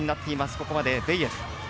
ここまでベイエル。